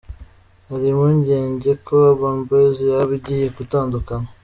Hari impungenge ko Urban Boys yaba igiye gutandukana.